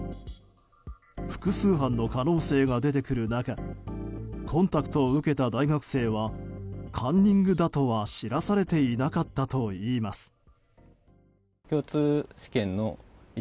複数犯の可能性が出てくる中コンタクトを受けた大学生はカンニングだとは知らされていなかったといいます。